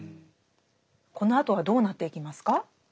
このあとはどうなっていきますか？